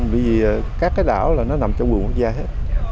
vì các cái đảo là nó nằm trong vườn quốc gia hết